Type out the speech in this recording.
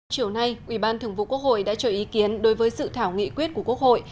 chiều nay ủy ban thường vụ quốc hội đã cho ý kiến đối với sự thảo nghị quyết của quốc hội